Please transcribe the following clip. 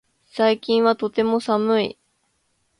最近はとても寒い